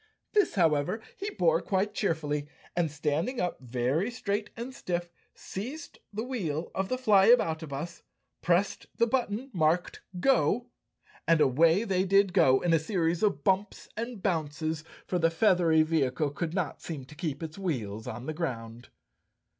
This, however, he bore quite cheerfully and, standing up very straight and stiff, seized the wheel of the Flyaboutabus, pressed the button marked "Go," and away they did go in a 200 Chapter Fourteen series of bumps and bounces, for the feathery vehicle could not seem to keep its wheels on the ground.